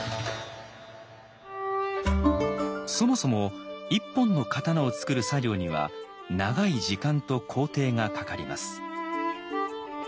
そもそも一本の刀を作る作業には長い時間と工程がかかります。